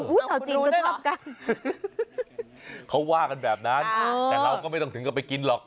ชาวจีนก็ชอบกันเขาว่ากันแบบนั้นแต่เราก็ไม่ต้องถึงก็ไปกินหรอก